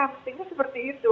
mesti seperti itu